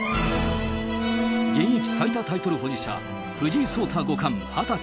現役最多タイトル保持者、藤井聡太五冠２０歳。